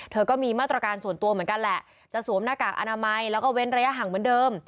ก็มีมาตรการส่วนตัวเหมือนกันแหละจะสวมหน้ากากอนามัยแล้วก็เว้นระยะห่างเหมือนเดิม